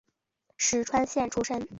石川县出身。